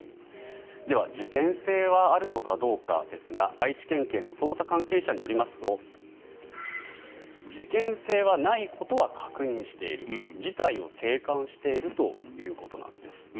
では、事件性はあるのかどうかですが愛知県警の捜査関係者によりますと事件性はないことは確認している事態を静観しているということなんです。